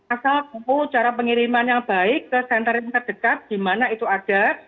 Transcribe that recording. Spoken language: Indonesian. asal tahu cara pengiriman yang baik ke center yang terdekat di mana itu ada